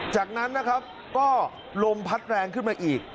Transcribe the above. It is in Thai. จากนั้นนะครับก็ลมพัดแรงขึ้นมาอีก